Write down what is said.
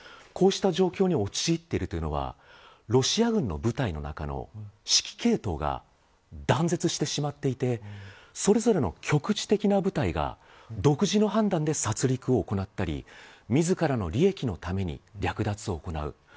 こうした状況に陥っているというのはロシア軍の部隊の中の指揮系統が断絶してしまっていてそれぞれの局地的な部隊が独自の判断で殺りくを行ったり自らの利益のために略奪を行う。